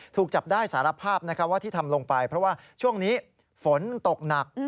ถูกจับได้สารภาพว่าที่ทำลงไปเพราะว่าช่วงนี้ฝนตกหนัก